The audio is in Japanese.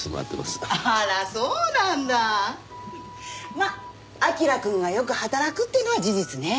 まあ彬くんがよく働くっていうのは事実ね。